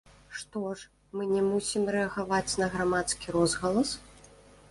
Што ж, мы не мусім рэагаваць на грамадскі розгалас?